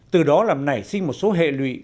từ đó làm nảy sinh một số hệ lụy